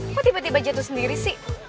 kok tiba tiba jatuh sendiri sih